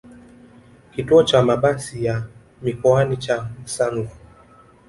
kituo cha mabasi ya mikoani cha Msanvu